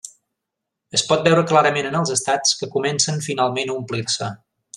Es pot veure clarament en els estats que comencen finalment a omplir-se.